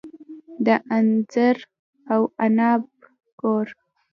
د انځر او عناب کور.